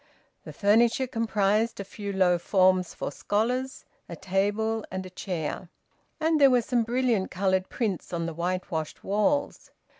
The furniture comprised a few low forms for scholars, a table, and a chair; and there were some brilliant coloured prints on the whitewashed walls.